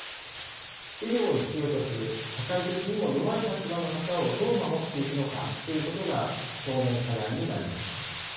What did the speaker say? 医療を必要とする社会的にも弱い立場の方をどう守っていくのかということが当面課題になります。